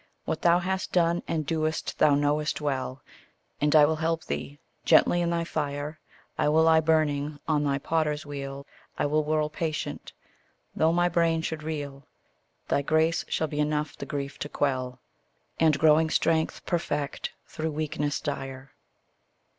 What thou hast done and doest thou know'st well, And I will help thee: gently in thy fire I will lie burning; on thy potter's wheel I will whirl patient, though my brain should reel; Thy grace shall be enough the grief to quell, And growing strength perfect through weakness dire.